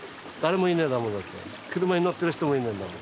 車に乗ってる人もいねえんだもん。